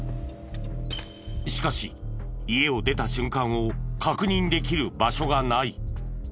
しかし家を出た瞬間を確認できる場所がない。